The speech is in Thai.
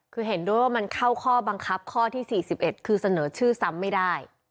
คือเห็นด้วยว่ามันเข้าข้อบังคับข้อที่๔๑คือเสนอชื่อซ้ำไม่ได้